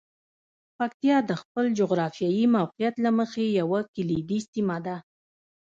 پکتیا د خپل جغرافیايي موقعیت له مخې یوه کلیدي سیمه ده.